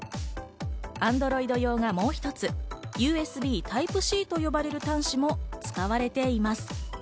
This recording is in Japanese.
アンドロイド用がもう一つ、ＵＳＢタイプＣと呼ばれる端子も使われています。